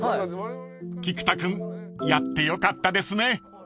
［菊田君やってよかったですね］